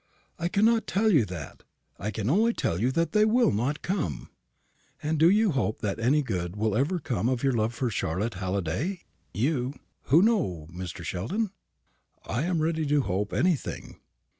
"I cannot tell you that. I can only tell you that they will not come. And do you hope that any good will ever come of your love for Charlotte Halliday you, who know Mr. Sheldon?" "I am ready to hope anything."